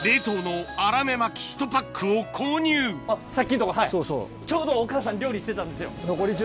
さっきんとこはいちょうどお母さん料理してたんですよ。